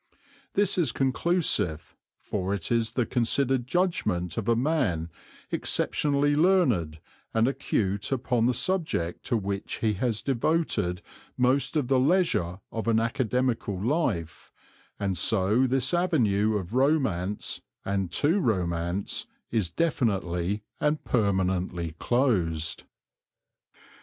This is conclusive, for it is the considered judgment of a man exceptionally learned and acute upon the subject to which he has devoted most of the leisure of an academical life, and so this avenue of romance and to romance is definitely and permanently closed.